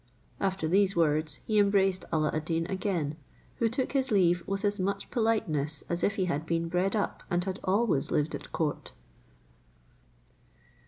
After these words he embraced Alla ad Deen again, who took his leave with as much politeness as if he had been bred up and had always lived at court.